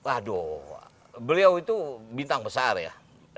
aduh beliau itu bintang besar ya